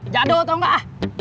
jadul tau gak